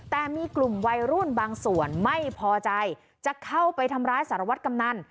แต่มีกลุ่มวัยรุ่นบางส่วนไม่พอใจจะเข้าไปทำร้ายสารวัตรกำนัน